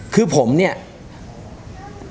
ข้ามหากศัย